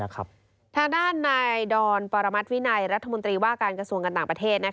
ทางด้านนายดอนปรมัติวินัยรัฐมนตรีว่าการกระทรวงการต่างประเทศ